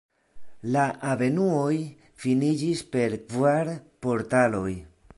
La avenuoj finiĝis per kvar portaloj.